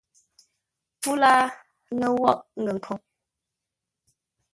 Pfú láa, ŋə́ woghʼ ngəkhwoŋ.